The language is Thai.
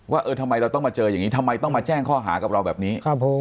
เออทำไมเราต้องมาเจออย่างนี้ทำไมต้องมาแจ้งข้อหากับเราแบบนี้